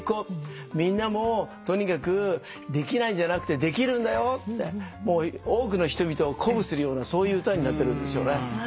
みんなもとにかくできないんじゃなくてできるんだよって多くの人々を鼓舞するようなそういう歌になってるんですよね。